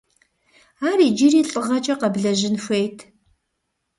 Ар иджыри лӏыгъэкӏэ къэблэжьын хуейт.